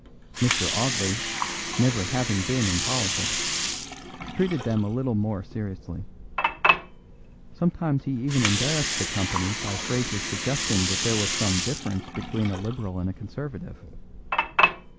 Mr. Audley, never having been in politics, treated them a little more seriously. Sometimes he even embarrassed the company by phrases suggesting that there was some difference between a Liberal and a Conservative.